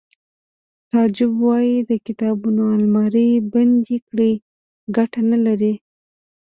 تعجب وایی د کتابونو المارۍ بندې کړئ ګټه نلري